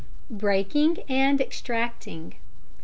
] _Breaking and Extracting.